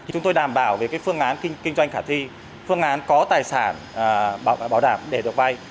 chúng tôi đảm bảo về phương án kinh doanh khả thi phương án có tài sản bảo đảm để được vay